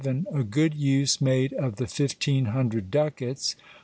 — A good use made of the fifteen hundred ducats.